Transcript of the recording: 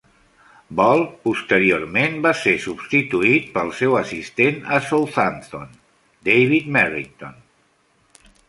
Ball, posteriorment, va ser substituït pel seu assistent a Southampton, David Merrington.